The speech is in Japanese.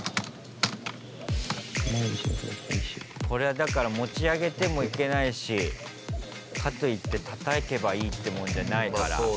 これはだから持ち上げてもいけないしかといってたたけばいいってもんじゃないから。